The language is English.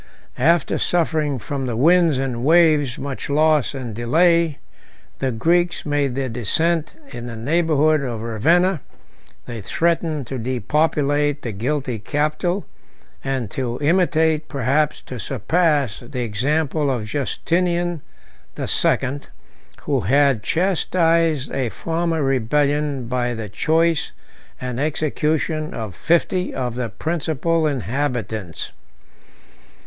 After suffering from the winds and waves much loss and delay, the Greeks made their descent in the neighborhood of Ravenna: they threatened to depopulate the guilty capital, and to imitate, perhaps to surpass, the example of Justinian the Second, who had chastised a former rebellion by the choice and execution of fifty of the principal inhabitants.